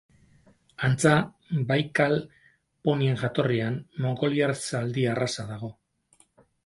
Antza Baikal ponien jatorrian mongoliar zaldi arraza dago.